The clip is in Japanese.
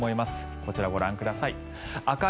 こちら、ご覧ください。